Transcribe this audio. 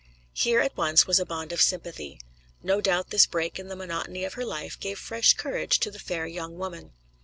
Here at once was a bond of sympathy. No doubt this break in the monotony of her life gave fresh courage to the fair young woman.